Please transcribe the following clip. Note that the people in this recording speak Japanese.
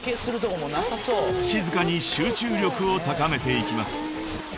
［静かに集中力を高めていきます］